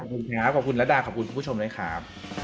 ขอบคุณครับขอบคุณระดาขอบคุณคุณผู้ชมด้วยครับ